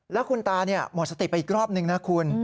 แล้วคุณตาหมดสติไปอีกรอบนึงนะคุณ